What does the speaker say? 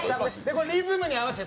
リズムに合わせて。